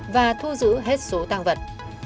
và thu giữ hết số tàng vật